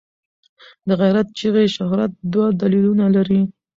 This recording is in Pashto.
د غیرت چغې شهرت دوه دلیلونه لري.